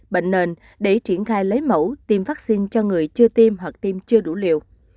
bệnh nền để triển khai lấy mẫu tiêm vaccine cho người chưa tiêm hoặc tiêm chưa đủ liều